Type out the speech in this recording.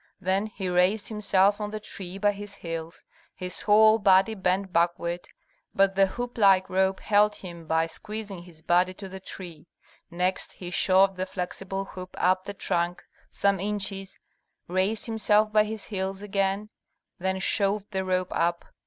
Then he raised himself on the tree by his heels, his whole body bent backward, but the hoop like rope held him by squeezing his body to the tree. Next he shoved the flexible hoop up the trunk some inches, raised himself by his heels again, then shoved the rope up.